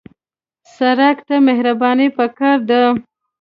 سړک ته مهرباني پکار ده.